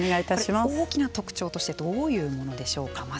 大きな特徴としてどういうものでしょうか。